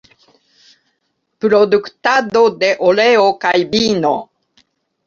Produktado de oleo kaj vino.